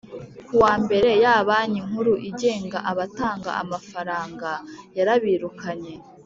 kuwa mbere ya Banki Nkuru igenga abatanga amafaranga yarabirukanye